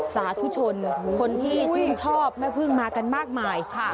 สาธุชนคนที่ชื่นชอบแม่พึ่งมากันมากมาย